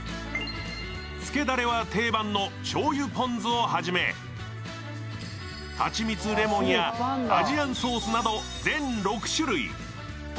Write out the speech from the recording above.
つけだれは定番のしょうゆポン酢をはじめ、はちみつレモンやアジアンソースなど全６種類。